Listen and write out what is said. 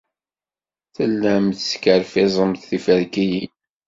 Tellamt teskerfiẓemt tiferkiyin.